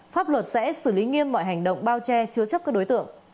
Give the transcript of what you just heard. pháp luật sẽ xử lý nghiêm mọi hành động bao che chứa chấp các đối tượng